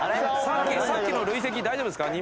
さっきの累積大丈夫ですか？